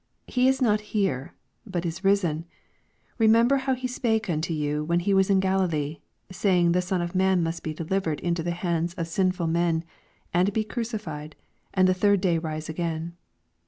6 He is not here, but is risen : re member how he spake unto you when he was yet in Galilee, 7 Saying, the Son of man must be delivertd into the hands of sinfta. men, and be crncifled, and the third day rise again.